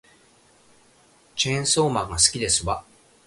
チェーンソーマンが好きですわ